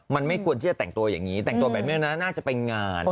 ไม่ควรจะแต่งตัวแบบนี้แต่งตัวแบบนี้ก็น่าจะไปงาน